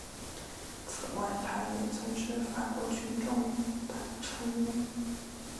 此外他也曾是法国群众党成员。